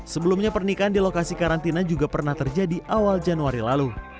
sebelumnya pernikahan di lokasi karantina juga pernah terjadi awal januari lalu